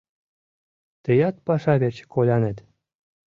— Тыят паша верч колянет.